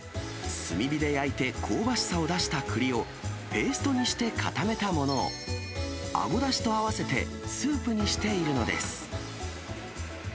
炭火で焼いて香ばしさを出したくりを、ペーストにして固めたものを、アゴだしと合わせてスープにしているのです。